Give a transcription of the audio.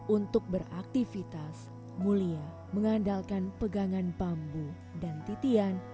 untuk beraktivitas mulia mengandalkan pegangan bambu dan titian